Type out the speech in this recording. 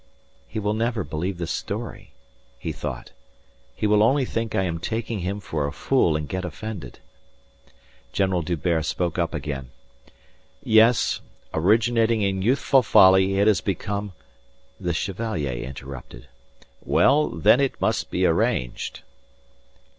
"He will never believe the story," he thought. "He will only think I am taking him for a fool and get offended." General D'Hubert spoke up again. "Yes, originating in youthful folly it has become..." The Chevalier interrupted. "Well then it must be arranged."